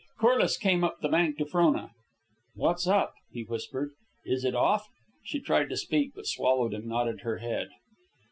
Corliss came up the bank to Frona. "What's up?" he whispered. "Is it off?" She tried to speak, but swallowed and nodded her head.